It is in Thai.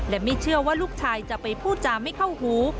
และไม่เชื่อว่าลูกชายจะไปพูดจาไม่เข้าหู